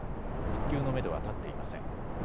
復旧のめどは立っていません。